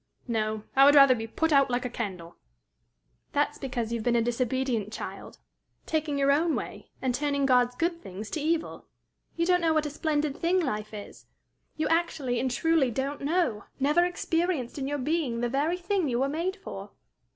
No; I would rather be put out like a candle." "That's because you have been a disobedient child, taking your own way, and turning God's good things to evil. You don't know what a splendid thing life is. You actually and truly don't know, never experienced in your being the very thing you were made for."